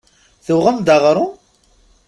Tuɣem-d aɣrum?